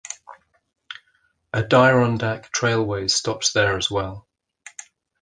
Adirondack Trailways stops there as well.